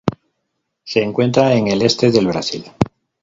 Se encuentra en el este de Brasil.